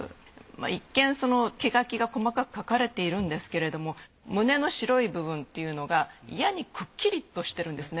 一見毛描きが細かく描かれているんですけれども胸の白い部分というのがいやにくっきりとしてるんですね。